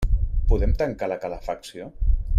Podem tancar la calefacció?